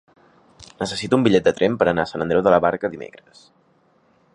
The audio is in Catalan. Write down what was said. Necessito un bitllet de tren per anar a Sant Andreu de la Barca dimecres.